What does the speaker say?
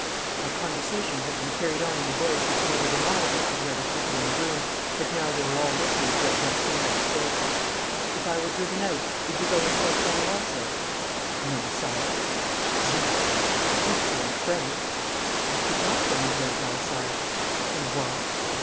Our conversation had been carried on in a voice which had made it inaudible to the other people in the room, but now they were all listening to what Berthier had to say. 'If I were driven out, would you go into exile also?' 'No, Sire.' 'Diable! At least you are frank.' 'I could not go into exile, Sire.' 'And why?'